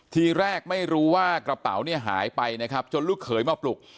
ทีแรกไม่รู้ว่ากระเป๋าหายไปจนลูกเขยมาปลุก